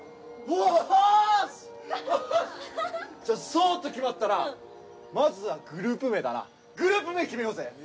じゃあそうと決まったらまずはグループ名だなグループ名決めようぜ！